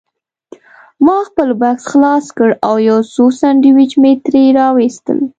ما خپل بکس خلاص کړ او یو څو سنډوېچ مې ترې راوایستل.